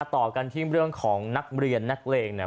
ต่อกันที่เรื่องของนักเรียนนักเลงเนี่ย